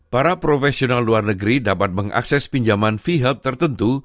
para profesional luar negeri dapat mengakses pinjaman vihab tertentu